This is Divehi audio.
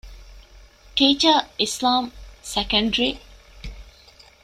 ޓީޗަރ އިސްލާމް، ސެކަންޑްރީ